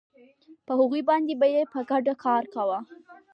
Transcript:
په هغوی باندې به یې په ګډه کار کاوه